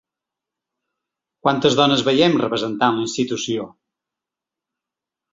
Quantes dones veiem representant la institució?